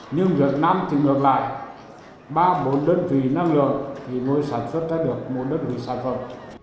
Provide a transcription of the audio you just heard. nhưng việt nam thì ngược lại ba bốn đơn vị năng lượng thì mới sản xuất ra được một đơn vị sản phẩm